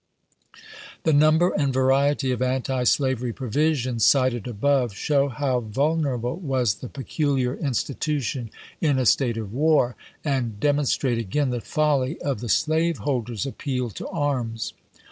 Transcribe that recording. The number and variety of antislavery pro visions cited above show how vulnerable was the peculiar institution in a state of war, and demon strate again the folly of the slaveholders' appeal 104 ABKAHAM LINCOLN chap.y. to arms.